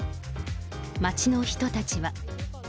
街の人たちは。